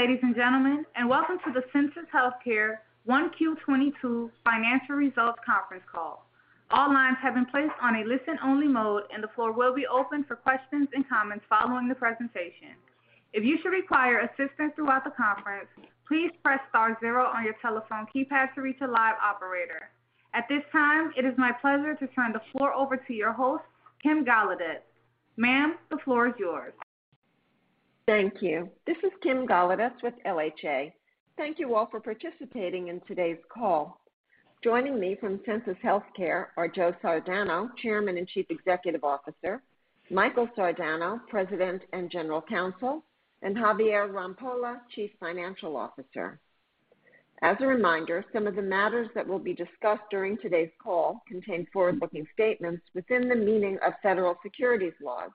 Good day, ladies and gentlemen, and welcome to the Sensus Healthcare 1Q 2022 financial results conference call. All lines have been placed on a listen-only mode, and the floor will be open for questions and comments following the presentation. If you should require assistance throughout the conference, please press star zero on your telephone keypad to reach a live operator. At this time, it is my pleasure to turn the floor over to your host, Kim Golodetz. Ma'am, the floor is yours. Thank you. This is Kim Golodetz with LHA. Thank you all for participating in today's call. Joining me from Sensus Healthcare are Joe Sardano, Chairman and Chief Executive Officer, Michael Sardano, President and General Counsel, and Javier Rampolla, Chief Financial Officer. As a reminder, some of the matters that will be discussed during today's call contain forward-looking statements within the meaning of federal securities laws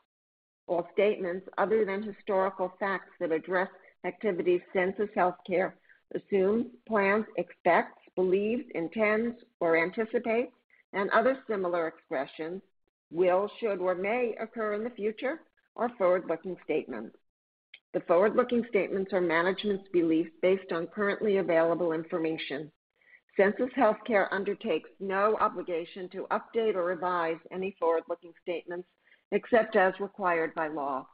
or statements other than historical facts that address activities Sensus Healthcare assumes, plans, expects, believes, intends or anticipates, and other similar expressions, will, should, or may occur in the future are forward-looking statements. The forward-looking statements are management's beliefs based on currently available information. Sensus Healthcare undertakes no obligation to update or revise any forward-looking statements, except as required by law.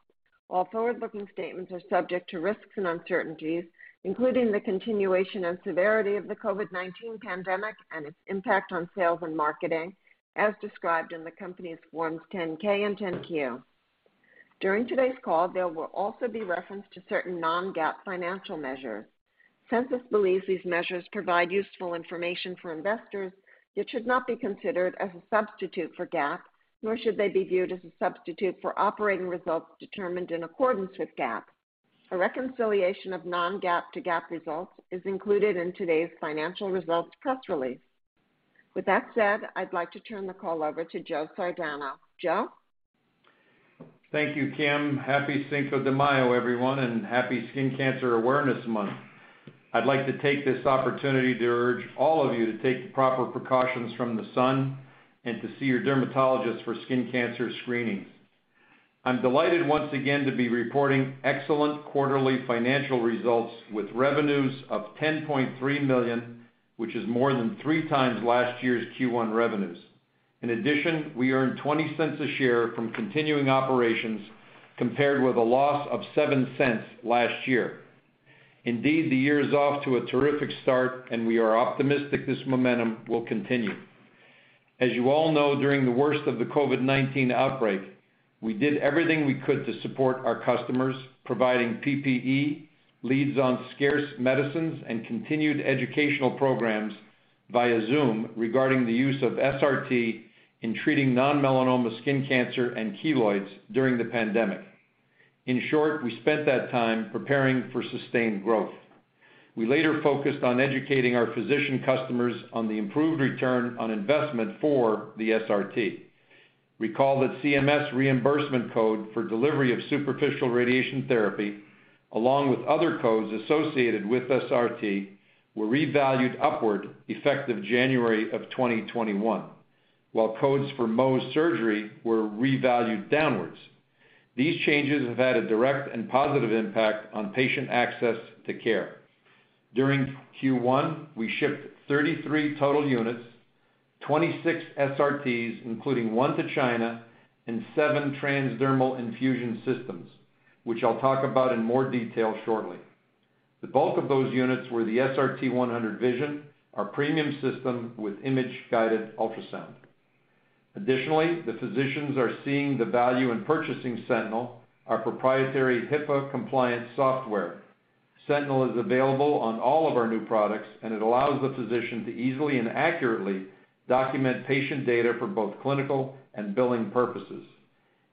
All forward-looking statements are subject to risks and uncertainties, including the continuation and severity of the COVID-19 pandemic and its impact on sales and marketing, as described in the company's Forms 10-K and 10-Q. During today's call, there will also be reference to certain non-GAAP financial measures. Sensus believes these measures provide useful information for investors that should not be considered as a substitute for GAAP, nor should they be viewed as a substitute for operating results determined in accordance with GAAP. A reconciliation of non-GAAP to GAAP results is included in today's financial results press release. With that said, I'd like to turn the call over to Joe Sardano. Joe? Thank you, Kim. Happy Cinco de Mayo, everyone, and happy Skin Cancer Awareness Month. I'd like to take this opportunity to urge all of you to take the proper precautions from the sun and to see your dermatologist for skin cancer screenings. I'm delighted once again to be reporting excellent quarterly financial results with revenues of $10.3 million, which is more than three times last year's Q1 revenues. In addition, we earned $0.20 a share from continuing operations, compared with a loss of $0.07 last year. Indeed, the year is off to a terrific start, and we are optimistic this momentum will continue. As you all know, during the worst of the COVID-19 outbreak, we did everything we could to support our customers, providing PPE, leads on scarce medicines, and continued educational programs via Zoom regarding the use of SRT in treating non-melanoma skin cancer and keloids during the pandemic. In short, we spent that time preparing for sustained growth. We later focused on educating our physician customers on the improved return on investment for the SRT. Recall that CMS reimbursement code for delivery of superficial radiation therapy, along with other codes associated with SRT, were revalued upward effective January 2021, while codes for Mohs surgery were revalued downwards. These changes have had a direct and positive impact on patient access to care. During Q1, we shipped 33 total units, 26 SRTs, including 1 to China and 7 TransDermal Infusion Systems, which I'll talk about in more detail shortly. The bulk of those units were the SRT-100 Vision, our premium system with image-guided ultrasound. Additionally, the physicians are seeing the value in purchasing Sentinel, our proprietary HIPAA-compliant software. Sentinel is available on all of our new products, and it allows the physician to easily and accurately document patient data for both clinical and billing purposes.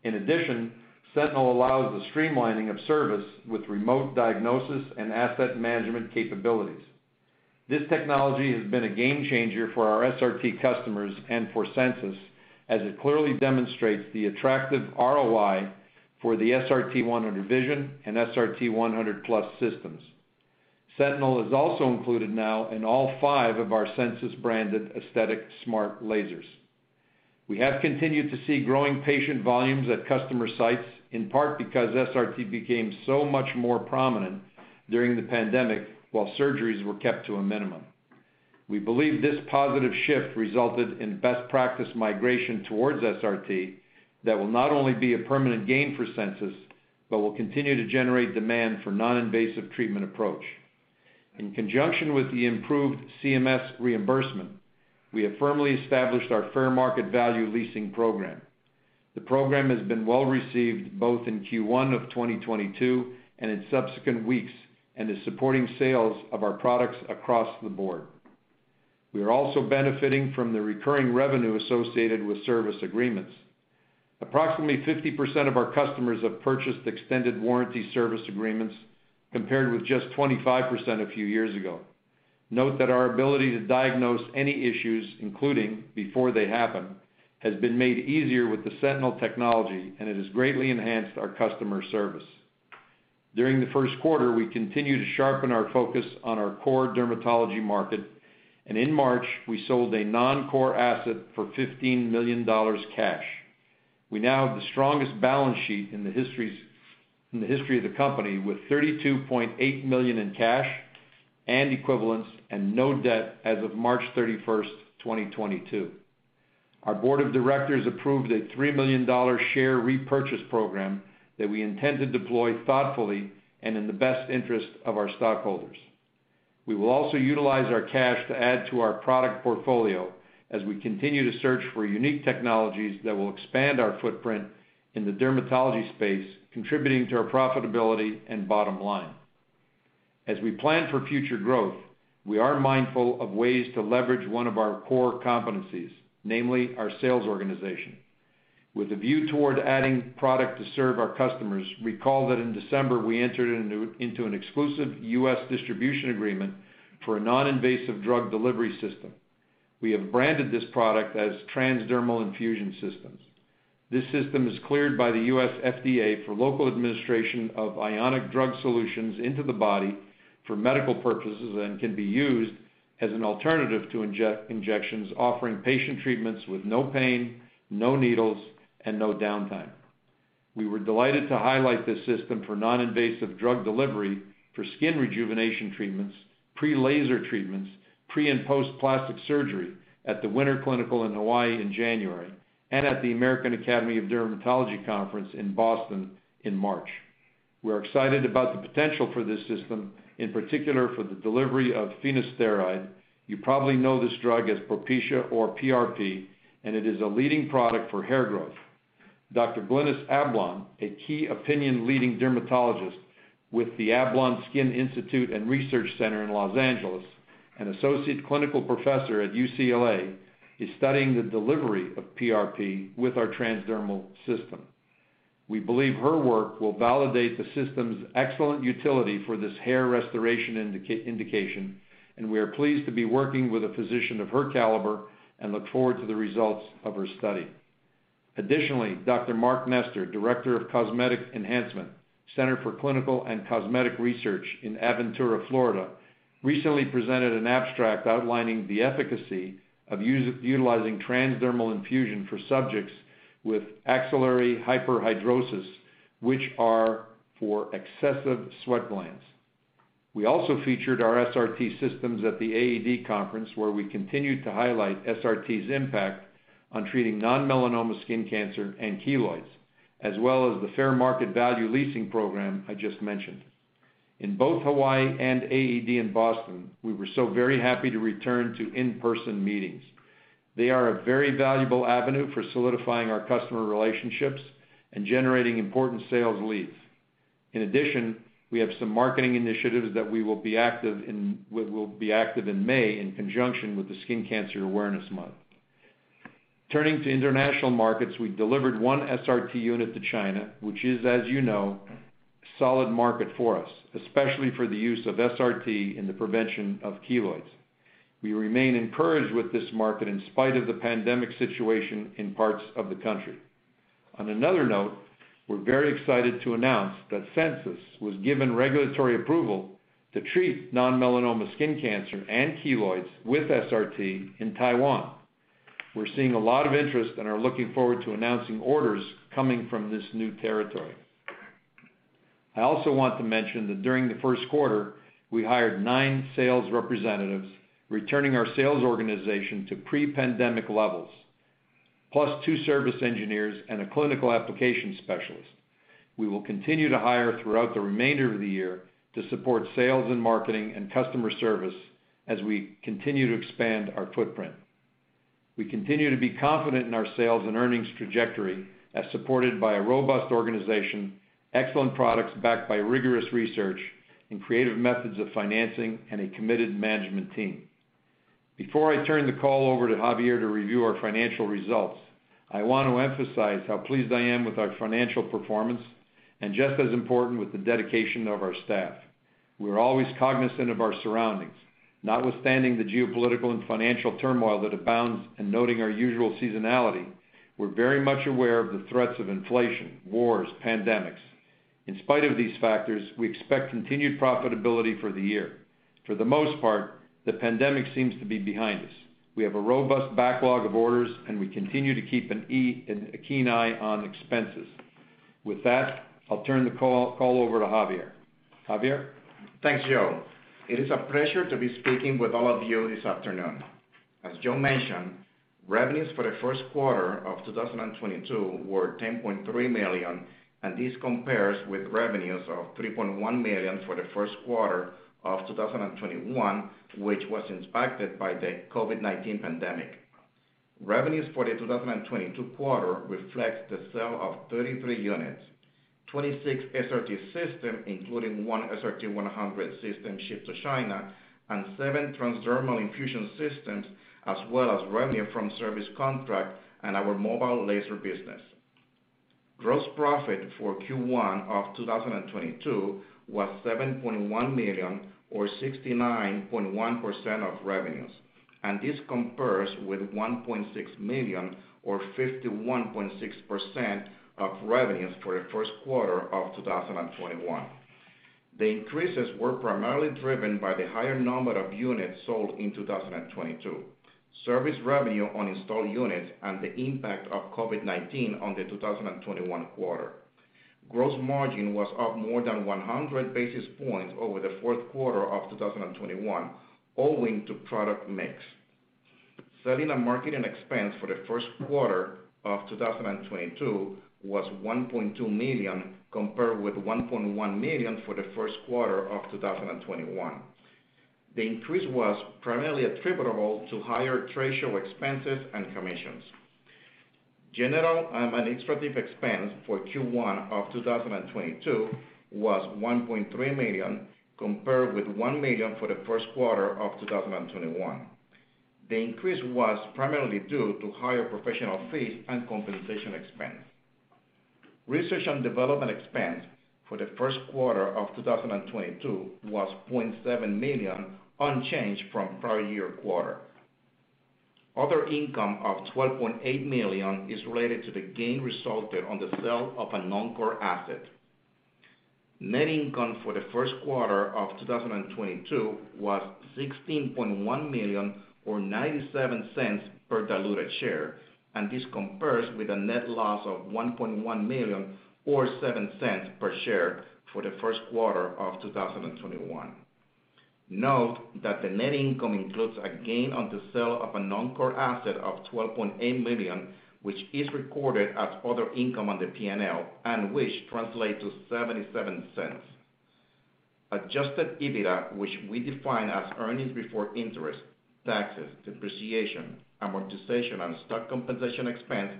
In addition, Sentinel allows the streamlining of service with remote diagnosis and asset management capabilities. This technology has been a game changer for our SRT customers and for Sensus, as it clearly demonstrates the attractive ROI for the SRT-100 Vision and SRT-100+ systems. Sentinel is also included now in all five of our Sensus-branded aesthetic smart lasers. We have continued to see growing patient volumes at customer sites, in part because SRT became so much more prominent during the pandemic while surgeries were kept to a minimum. We believe this positive shift resulted in best practice migration towards SRT that will not only be a permanent gain for Sensus, but will continue to generate demand for non-invasive treatment approach. In conjunction with the improved CMS reimbursement, we have firmly established our fair market value leasing program. The program has been well received both in Q1 of 2022 and in subsequent weeks and is supporting sales of our products across the board. We are also benefiting from the recurring revenue associated with service agreements. Approximately 50% of our customers have purchased extended warranty service agreements, compared with just 25% a few years ago. Note that our ability to diagnose any issues, including before they happen, has been made easier with the Sentinel technology, and it has greatly enhanced our customer service. During the first quarter, we continued to sharpen our focus on our core dermatology market, and in March, we sold a non-core asset for $15 million cash. We now have the strongest balance sheet in the history of the company, with $32.8 million in cash and equivalents and no debt as of March 31st, 2022. Our board of directors approved a $3 million share repurchase program that we intend to deploy thoughtfully and in the best interest of our stockholders. We will also utilize our cash to add to our product portfolio as we continue to search for unique technologies that will expand our footprint in the dermatology space, contributing to our profitability and bottom line. As we plan for future growth, we are mindful of ways to leverage one of our core competencies, namely our sales organization. With a view toward adding product to serve our customers, recall that in December, we entered into an exclusive U.S. distribution agreement for a non-invasive drug delivery system. We have branded this product as TransDermal Infusion Systems. This system is cleared by the U.S. FDA for local administration of ionic drug solutions into the body for medical purposes, and can be used as an alternative to injections, offering patient treatments with no pain, no needles, and no downtime. We were delighted to highlight this system for non-invasive drug delivery for skin rejuvenation treatments, pre-laser treatments, pre and post plastic surgery at the Winter Clinical in Hawaii in January, and at the American Academy of Dermatology Conference in Boston in March. We're excited about the potential for this system, in particular, for the delivery of finasteride. You probably know this drug as Propecia or PRP, and it is a leading product for hair growth. Dr. Glynis Ablon, a key opinion leader dermatologist with the Ablon Skin Institute and Research Center in Los Angeles, and Associate Clinical Professor at UCLA, is studying the delivery of PRP with our transdermal system. We believe her work will validate the system's excellent utility for this hair restoration indication, and we are pleased to be working with a physician of her caliber and look forward to the results of her study. Additionally, Dr. Mark Nestor, Director of the Center for Clinical and Cosmetic Research and Center for Cosmetic Enhancement, Center for Clinical and Cosmetic Research in Aventura, Florida, recently presented an abstract outlining the efficacy of utilizing transdermal infusion for subjects with axillary hyperhidrosis, which are for excessive sweat glands. We also featured our SRT systems at the AAD conference, where we continued to highlight SRT's impact on treating non-melanoma skin cancer and keloids, as well as the fair market value leasing program I just mentioned. In both Hawaii and AAD in Boston, we were so very happy to return to in-person meetings. They are a very valuable avenue for solidifying our customer relationships and generating important sales leads. In addition, we have some marketing initiatives that we will be active in May in conjunction with the Skin Cancer Awareness Month. Turning to international markets, we delivered one SRT unit to China, which is, as you know, a solid market for us, especially for the use of SRT in the prevention of keloids. We remain encouraged with this market in spite of the pandemic situation in parts of the country. On another note, we're very excited to announce that Sensus was given regulatory approval to treat non-melanoma skin cancer and keloids with SRT in Taiwan. We're seeing a lot of interest and are looking forward to announcing orders coming from this new territory. I also want to mention that during the first quarter, we hired nine sales representatives, returning our sales organization to pre-pandemic levels, plus two service engineers and a clinical application specialist. We will continue to hire throughout the remainder of the year to support sales and marketing and customer service as we continue to expand our footprint. We continue to be confident in our sales and earnings trajectory as supported by a robust organization, excellent products backed by rigorous research and creative methods of financing, and a committed management team. Before I turn the call over to Javier to review our financial results, I want to emphasize how pleased I am with our financial performance and, just as important, with the dedication of our staff. We're always cognizant of our surroundings. Notwithstanding the geopolitical and financial turmoil that abounds and noting our usual seasonality, we're very much aware of the threats of inflation, wars, pandemics. In spite of these factors, we expect continued profitability for the year. For the most part, the pandemic seems to be behind us. We have a robust backlog of orders, and we continue to keep a keen eye on expenses. With that, I'll turn the call over to Javier. Javier? Thanks, Joe. It is a pleasure to be speaking with all of you this afternoon. As Joe mentioned, revenues for the first quarter of 2022 were $10.3 million, and this compares with revenues of $3.1 million for the first quarter of 2021, which was impacted by the COVID-19 pandemic. Revenues for the 2022 quarter reflects the sale of 33 units, 26 SRT systems, including one SRT-100 system shipped to China and seven transdermal infusion systems, as well as revenue from service contracts and our mobile laser business. Gross profit for Q1 of 2022 was $7.1 million or 69.1% of revenues, and this compares with $1.6 million or 51.6% of revenues for the first quarter of 2021. The increases were primarily driven by the higher number of units sold in 2022, service revenue on installed units, and the impact of COVID-19 on the 2021 quarter. Gross margin was up more than 100 basis points over the fourth quarter of 2021 owing to product mix. Selling and marketing expense for the first quarter of 2022 was $1.2 million, compared with $1.1 million for the first quarter of 2021. The increase was primarily attributable to higher trade show expenses and commissions. General and administrative expense for Q1 of 2022 was $1.3 million, compared with $1 million for the first quarter of 2021. The increase was primarily due to higher professional fees and compensation expense. Research and development expense for the first quarter of 2022 was $0.7 million, unchanged from prior-year quarter. Other income of $12.8 million is related to the gain resulted on the sale of a non-core asset. Net income for the first quarter of 2022 was $16.1 million or $0.97 per diluted share, and this compares with a net loss of $1.1 million or $0.07 per share for the first quarter of 2021. Note that the net income includes a gain on the sale of a non-core asset of $12.8 million, which is recorded as other income on the P&L and which translates to $0.77. Adjusted EBITDA, which we define as earnings before interest, taxes, depreciation, amortization, and stock compensation expense,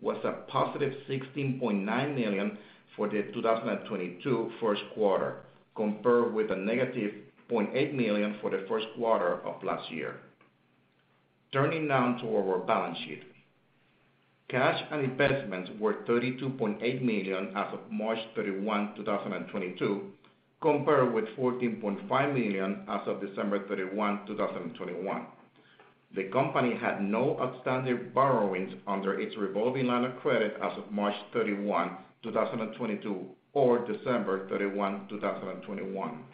was $16.9 million for the 2022 first quarter, compared with -$0.8 million for the first quarter of last year. Turning now to our balance sheet. Cash and investments were $32.8 million as of March 31, 2022, compared with $14.5 million as of December 31, 2021. The company had no outstanding borrowings under its revolving line of credit as of March 31, 2022 or December 31, 2021.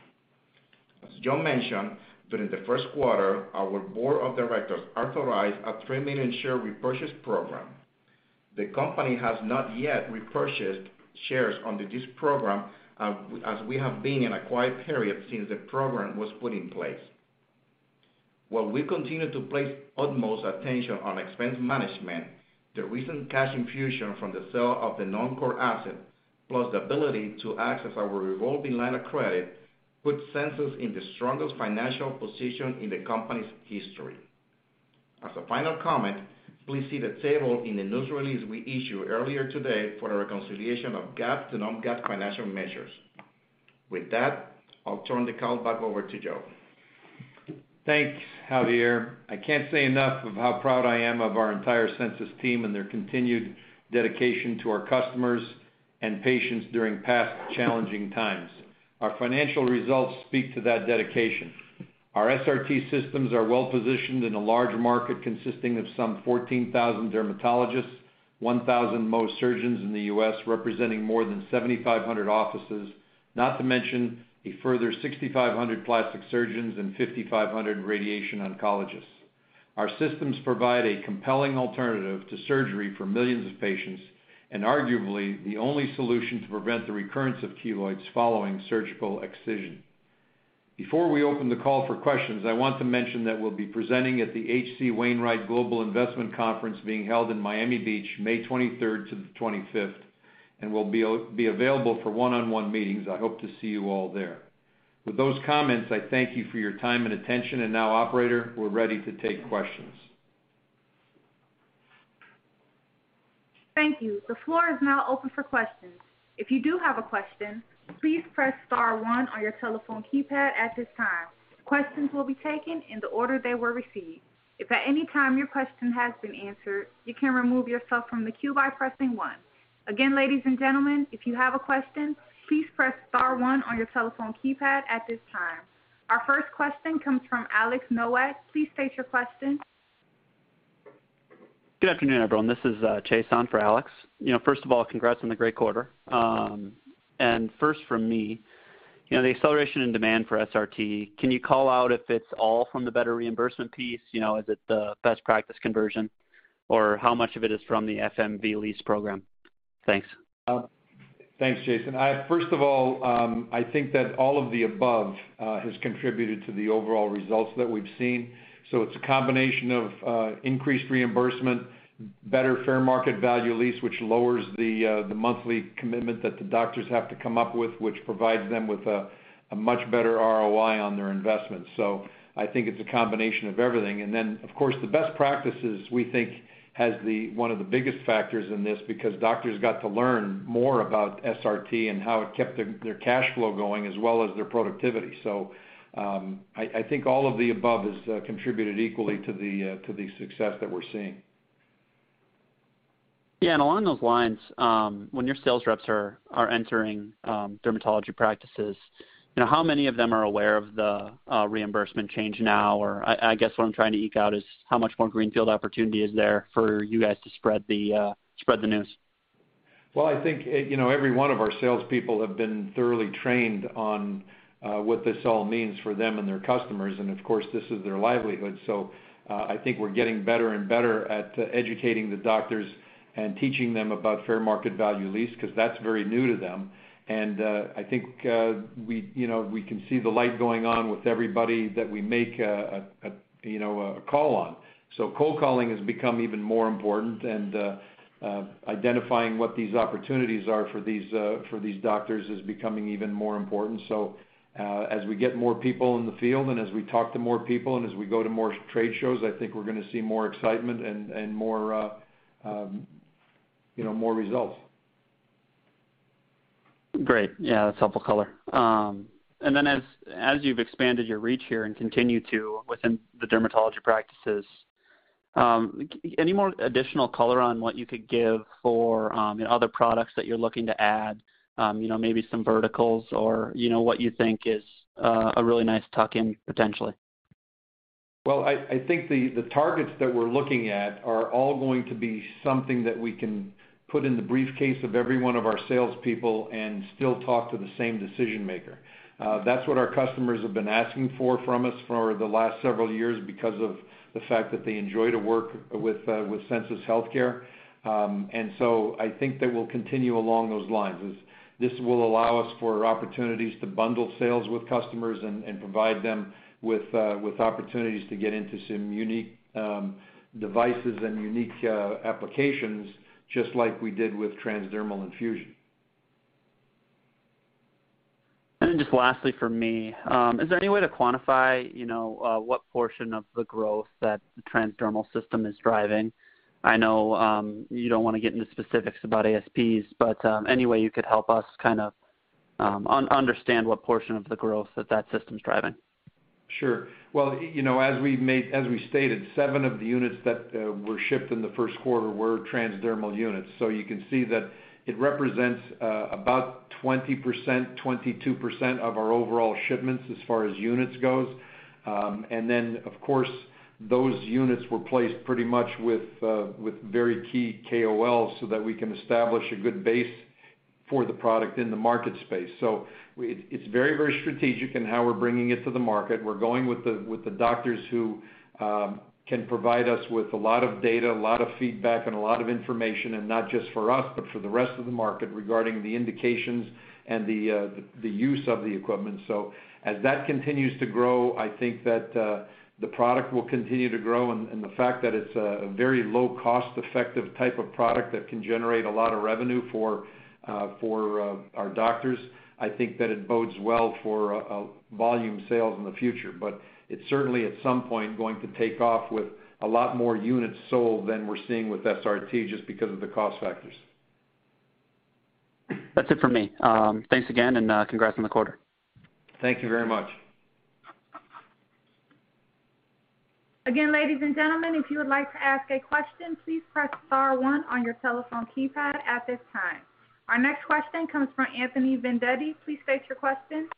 As Joe mentioned, during the first quarter, our board of directors authorized a 3 million share repurchase program. The company has not yet repurchased shares under this program as we have been in a quiet period since the program was put in place. While we continue to place utmost attention on expense management, the recent cash infusion from the sale of the non-core asset, plus the ability to access our revolving line of credit, puts Sensus in the strongest financial position in the company's history. As a final comment, please see the table in the news release we issued earlier today for a reconciliation of GAAP to non-GAAP financial measures. With that, I'll turn the call back over to Joe. Thanks, Javier. I can't say enough of how proud I am of our entire Sensus team and their continued dedication to our customers and patients during past challenging times. Our financial results speak to that dedication. Our SRT systems are well positioned in a large market consisting of some 14,000 dermatologists, 1,000 Mohs surgeons in the U.S., representing more than 7,500 offices, not to mention a further 6,500 plastic surgeons and 5,500 radiation oncologists. Our systems provide a compelling alternative to surgery for millions of patients, and arguably the only solution to prevent the recurrence of keloids following surgical excision. Before we open the call for questions, I want to mention that we'll be presenting at the H.C. Wainwright Global Investment Conference being held in Miami Beach May 23rd to the 25th, and we'll be available for one-on-one meetings. I hope to see you all there. With those comments, I thank you for your time and attention. Now, operator, we're ready to take questions. Thank you. The floor is now open for questions. If you do have a question, please press star one on your telephone keypad at this time. Questions will be taken in the order they were received. If at any time your question has been answered, you can remove yourself from the queue by pressing one. Again, ladies and gentlemen, if you have a question, please press star one on your telephone keypad at this time. Our first question comes from Alex Nowak. Please state your question. Good afternoon, everyone. This is Jason for Alex. You know, first of all, congrats on the great quarter. First from me, you know, the acceleration in demand for SRT, can you call out if it's all from the better reimbursement piece? You know, is it the best practice conversion? Or how much of it is from the FMV lease program? Thanks. Thanks, Jason. First of all, I think that all of the above has contributed to the overall results that we've seen. It's a combination of increased reimbursement, better fair market value lease, which lowers the monthly commitment that the doctors have to come up with, which provides them with a much better ROI on their investment. I think it's a combination of everything. Of course, the best practices we think has one of the biggest factors in this because doctors got to learn more about SRT and how it kept their cash flow going as well as their productivity. I think all of the above has contributed equally to the success that we're seeing. Yeah. Along those lines, when your sales reps are entering dermatology practices, you know, how many of them are aware of the reimbursement change now? Or I guess what I'm trying to eke out is how much more greenfield opportunity is there for you guys to spread the news? Well, I think, you know, every one of our salespeople have been thoroughly trained on, what this all means for them and their customers. Of course, this is their livelihood. I think we're getting better and better at educating the doctors and teaching them about fair market value lease, 'cause that's very new to them. I think, we, you know, we can see the light going on with everybody that we make a, you know, a call on. Cold calling has become even more important and, identifying what these opportunities are for these doctors is becoming even more important. As we get more people in the field, and as we talk to more people, and as we go to more trade shows, I think we're gonna see more excitement and more, you know, more results. Great. Yeah, that's helpful color. As you've expanded your reach here and continue to within the dermatology practices, any more additional color on what you could give for other products that you're looking to add? You know, maybe some verticals or, you know, what you think is a really nice tuck-in potentially. Well, I think the targets that we're looking at are all going to be something that we can put in the briefcase of every one of our salespeople and still talk to the same decision-maker. That's what our customers have been asking for from us for the last several years because of the fact that they enjoy to work with Sensus Healthcare. I think that we'll continue along those lines. This will allow us for opportunities to bundle sales with customers and provide them with opportunities to get into some unique devices and unique applications just like we did with transdermal infusion. Then just lastly from me, is there any way to quantify, you know, what portion of the growth that the transdermal system is driving? I know, you don't wanna get into specifics about ASPs, but any way you could help us kind of understand what portion of the growth that system's driving? Sure. Well, you know, as we stated, seven of the units that were shipped in the first quarter were transdermal units. You can see that it represents about 20%, 22% of our overall shipments as far as units goes. Of course, those units were placed pretty much with very key KOLs so that we can establish a good base for the product in the market space. It's very, very strategic in how we're bringing it to the market. We're going with the doctors who can provide us with a lot of data, a lot of feedback, and a lot of information, and not just for us, but for the rest of the market regarding the indications and the use of the equipment. As that continues to grow, I think that the product will continue to grow. The fact that it's a very low-cost-effective type of product that can generate a lot of revenue for our doctors, I think that it bodes well for volume sales in the future. It's certainly at some point going to take off with a lot more units sold than we're seeing with SRT just because of the cost factors. That's it for me. Thanks again, and congrats on the quarter. Thank you very much. Again, ladies and gentlemen, if you would like to ask a question, please press star one on your telephone keypad at this time. Our next question comes from Anthony Vendetti. Please state your question.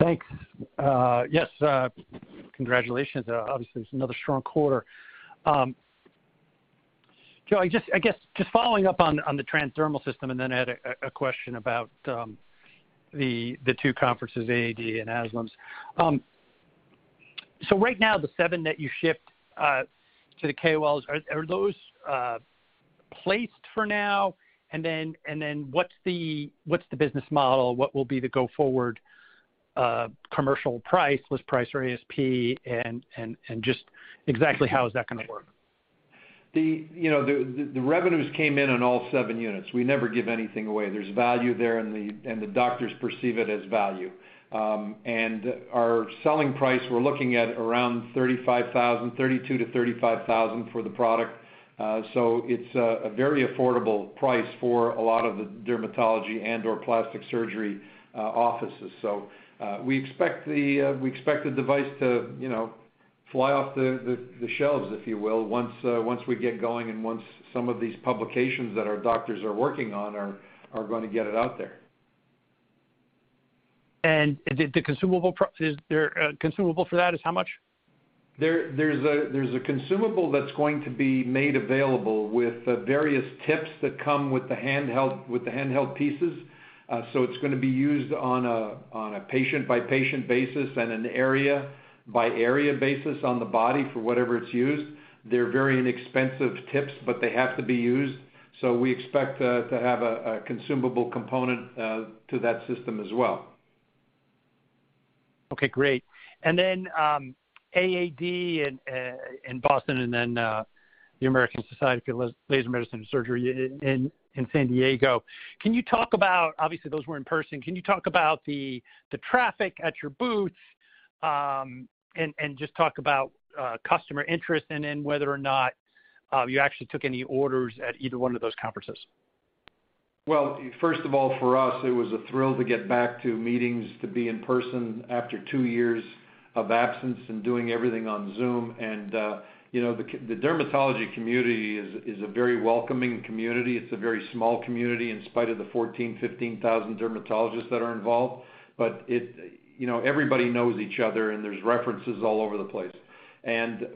Thanks. Yes, congratulations. Obviously, it's another strong quarter. Joe, I guess just following up on the transdermal system and then add a question about the two conferences, AAD and ASLMS. So right now, the seven that you shipped to the KOLs, are those placed for now? And then what's the business model? What will be the go forward commercial price, list price or ASP? And just exactly how is that gonna work? You know, the revenues came in on all 7 units. We never give anything away. There's value there, and the doctors perceive it as value. Our selling price, we're looking at around $35,000, $32,000-$35,000 for the product. It's a very affordable price for a lot of the dermatology and/or plastic surgery offices. We expect the device to, you know, fly off the shelves, if you will, once we get going and once some of these publications that our doctors are working on are gonna get it out there. Is there a consumable for that? Is how much? There's a consumable that's going to be made available with various tips that come with the handheld pieces. It's gonna be used on a patient-by-patient basis and an area-by-area basis on the body for whatever it's used. They're very inexpensive tips, but they have to be used, so we expect to have a consumable component to that system as well. Okay, great. AAD in Boston and then the American Society for Laser Medicine and Surgery in San Diego, can you talk about. Obviously, those were in person. Can you talk about the traffic at your booths, and just talk about customer interest and then whether or not you actually took any orders at either one of those conferences? Well, first of all, for us, it was a thrill to get back to meetings, to be in person after two years of absence and doing everything on Zoom. You know, the dermatology community is a very welcoming community. It's a very small community in spite of the 14,000-15,000 dermatologists that are involved. You know, everybody knows each other, and there's references all over the place.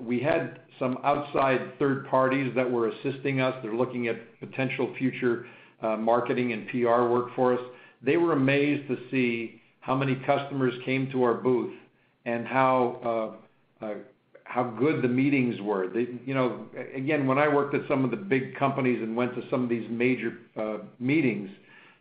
We had some outside third parties that were assisting us. They're looking at potential future marketing and PR workforce. They were amazed to see how many customers came to our booth and how good the meetings were. You know, again, when I worked at some of the big companies and went to some of these major meetings,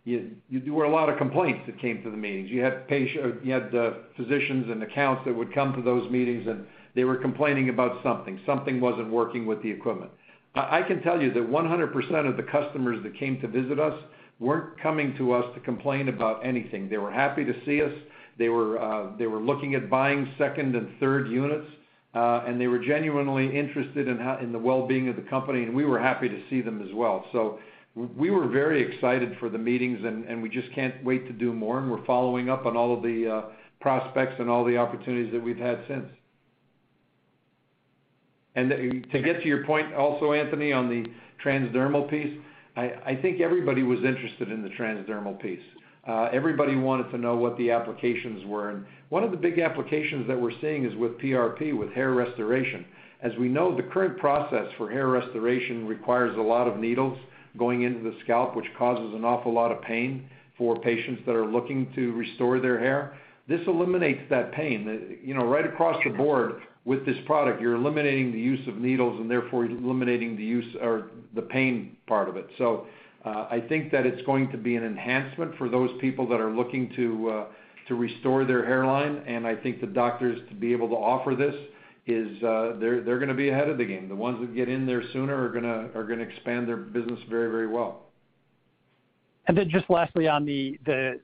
there were a lot of complaints that came to the meetings. You had physicians and accounts that would come to those meetings, and they were complaining about something. Something wasn't working with the equipment. I can tell you that 100% of the customers that came to visit us weren't coming to us to complain about anything. They were happy to see us. They were looking at buying second and third units, and they were genuinely interested in how in the well-being of the company, and we were happy to see them as well. We were very excited for the meetings, and we just can't wait to do more, and we're following up on all of the prospects and all the opportunities that we've had since. To get to your point also, Anthony, on the transdermal piece, I think everybody was interested in the transdermal piece. Everybody wanted to know what the applications were, and one of the big applications that we're seeing is with PRP, with hair restoration. As we know, the current process for hair restoration requires a lot of needles going into the scalp, which causes an awful lot of pain for patients that are looking to restore their hair. This eliminates that pain. You know, right across the board with this product, you're eliminating the use of needles and therefore eliminating the use or the pain part of it. I think that it's going to be an enhancement for those people that are looking to to restore their hairline, and I think the doctors to be able to offer this is, they're gonna be ahead of the game. The ones that get in there sooner are gonna expand their business very, very well. Just lastly on the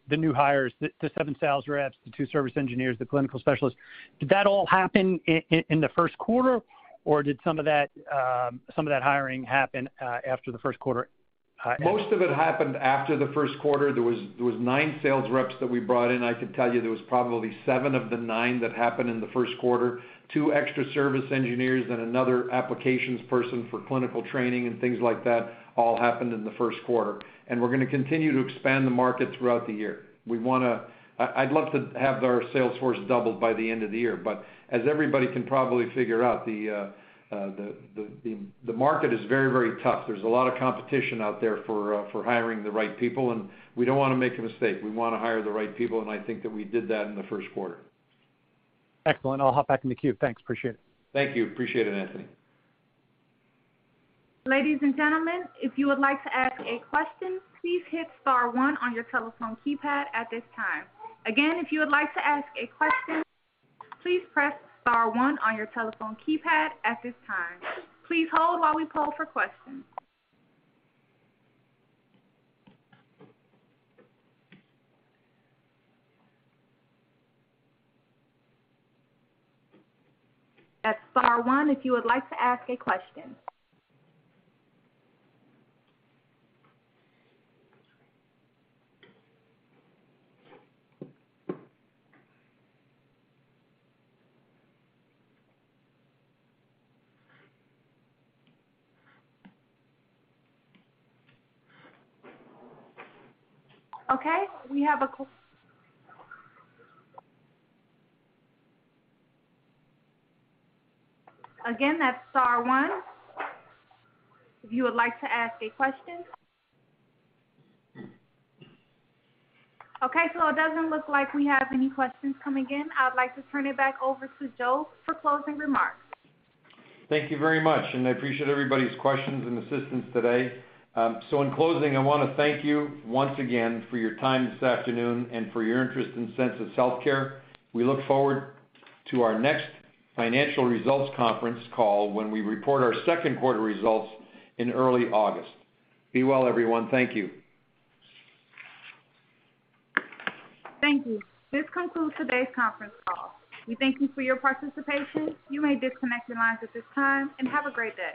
new hires, the seven sales reps, the two service engineers, the clinical specialists, did that all happen in the first quarter, or did some of that hiring happen after the first quarter end? Most of it happened after the first quarter. There was nine sales reps that we brought in. I could tell you there was probably seven of the nine that happened in the first quarter. Two extra service engineers and another applications person for clinical training and things like that all happened in the first quarter. We're gonna continue to expand the market throughout the year. We wanna. I'd love to have our sales force doubled by the end of the year. But as everybody can probably figure out, the market is very, very tough. There's a lot of competition out there for hiring the right people, and we don't wanna make a mistake. We wanna hire the right people, and I think that we did that in the first quarter. Excellent. I'll hop back in the queue. Thanks. Appreciate it. Thank you. Appreciate it, Anthony. Ladies and gentlemen, if you would like to ask a question, please hit star one on your telephone keypad at this time. Again, if you would like to ask a question, please press star one on your telephone keypad at this time. Please hold while we poll for questions. That's star one if you would like to ask a question. Again, that's star one if you would like to ask a question. Okay, it doesn't look like we have any questions coming in. I would like to turn it back over to Joe for closing remarks. Thank you very much, and I appreciate everybody's questions and assistance today. In closing, I wanna thank you once again for your time this afternoon and for your interest in Sensus Healthcare. We look forward to our next financial results conference call when we report our second quarter results in early August. Be well, everyone. Thank you. Thank you. This concludes today's conference call. We thank you for your participation. You may disconnect your lines at this time, and have a great day.